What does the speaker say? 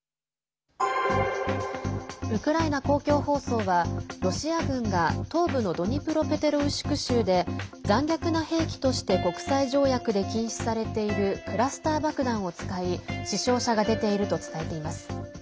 ウクライナ公共放送はロシア軍が東部のドニプロペトロウシク州で残虐な兵器として国際条約で禁止されているクラスター爆弾を使い死傷者が出ていると伝えています。